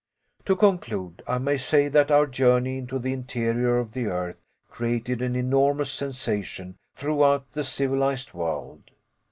To conclude, I may say that our journey into the interior of the earth created an enormous sensation throughout the civilized world.